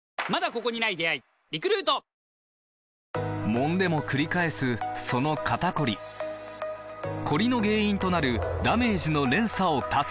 もんでもくり返すその肩こりコリの原因となるダメージの連鎖を断つ！